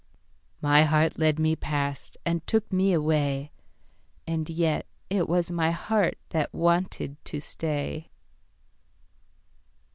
My heart led me past and took me away; And yet it was my heart that wanted to stay.